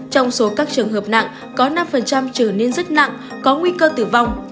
trong số các trường hợp nặng có năm trở nên rất nặng có nguy cơ tử vong